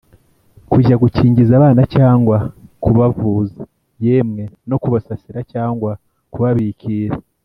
kujya gukingiza abana cyangwa kubavuza yemwe no kubasasira cyangwa kubabikira.